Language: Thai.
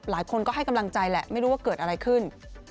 หลายคนก็ให้กำลังใจแหละไม่รู้ว่าเกิดอะไรขึ้น